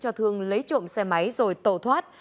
thơ thường lấy trộm xe máy rồi tổ thoát